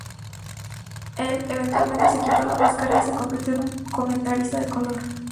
Él eventualmente se quitó la máscara y se convirtió en un comentarista de color.